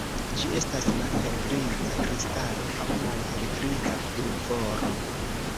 Ĝi estas malhelgriza kristalo aŭ malhelgriza pulvoro.